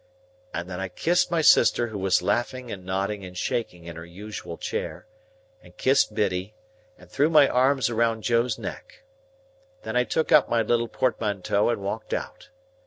and then I kissed my sister who was laughing and nodding and shaking in her usual chair, and kissed Biddy, and threw my arms around Joe's neck. Then I took up my little portmanteau and walked out.